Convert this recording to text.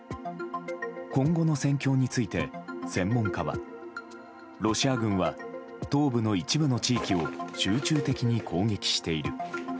今後の戦況について専門家はロシア軍は東部の一部の地域を集中的に攻撃している。